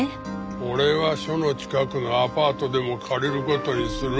俺は署の近くのアパートでも借りる事にする。